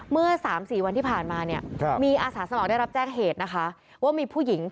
เมื่อ๓๔วันที่ผ่านมาเนี่ย